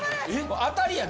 当たりやで。